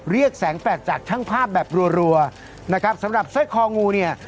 แสงแปดจากช่างภาพแบบรัวนะครับสำหรับสร้อยคองูเนี่ย